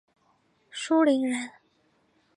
舒磷人。